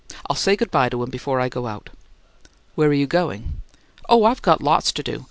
I'll say good bye to him before I go out." "Where are you going?" "Oh, I've got lots to do.